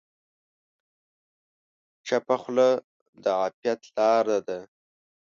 چپه خوله، د عافیت لاره ده.